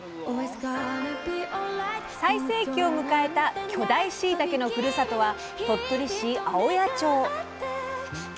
最盛期を迎えた巨大しいたけのふるさとは鳥取市青谷町。